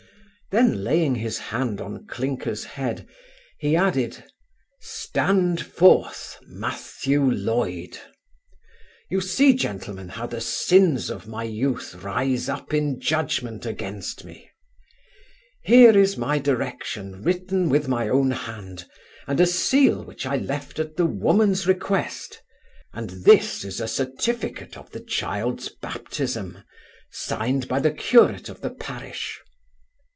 Then, laying his hand on Clinker's head, he added, 'Stand forth, Matthew Loyd You see, gentlemen, how the sins of my youth rise up in judgment against me Here is my direction written with my own hand, and a seal which I left at the woman's request; and this is a certificate of the child's baptism, signed by the curate of the parish.